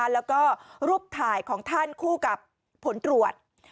แล้วก็รูปถ่ายของท่านคู่กับผลตรวจ